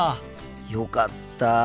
よかった。